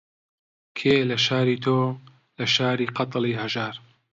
کێ لە شاری تۆ، لە شاری قاتڵی هەژار